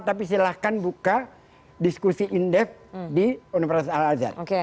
tapi silahkan buka diskusi indef di universitas al azhar